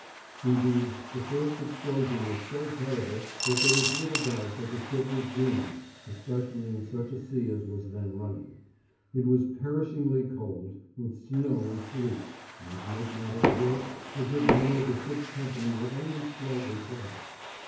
Indeed, the first explosion was so terrible that there was little doubt that the ship was doomed, especially in such a sea as was then running. It was perishingly cold, with snow and sleet, and, to make matters worse, a good many of the ship's company were only slightly clad.